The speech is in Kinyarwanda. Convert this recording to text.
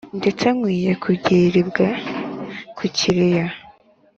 Ndetse nkwiye kugiribwa kukiriyo